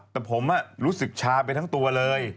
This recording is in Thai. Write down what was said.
แต่ผมรู้สึกชาไปทั้งตัวเลย